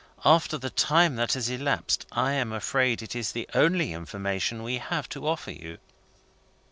"After the time that has elapsed, I am afraid it is the only information we have to offer you."